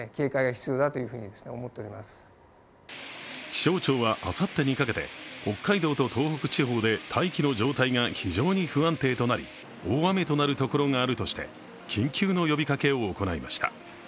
気象庁は、あさってにかけて北海道と東北地方で大気の状態が非常に不安定となり大雨となるところがあるとして緊急の呼びかけを行いました。